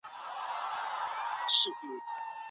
د چینجیو درمل کله ورکول کیږي؟